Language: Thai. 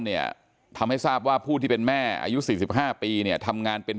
เนี่ยทำให้ทราบว่าผู้ที่เป็นแม่อายุ๔๕ปีเนี่ยทำงานเป็น